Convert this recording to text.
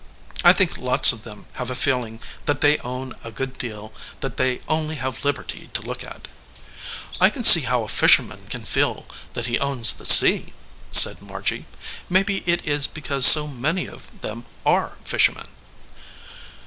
I think lots of them have a feeling that they own a good deal that they only have liberty to look at." "I can see how a fisherman can feel that he owns the sea," said Margy. "Maybe it is because so many of them are fishermen."